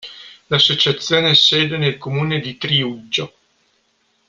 L'associazione ha sede nel comune di Triuggio.